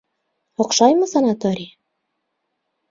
Оҡшаймы санаторий?